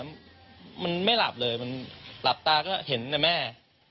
มันไม่หลับเลยมันหลับตาก็เห็นแต่แม่